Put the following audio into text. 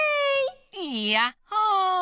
いやっほ！